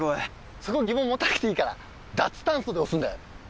そこ疑問持たなくていいから「ダツタンソ」で押すんだよ。